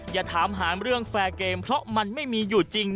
อย่าถามหาเรื่องแฟร์เกมเพราะมันไม่มีอยู่จริง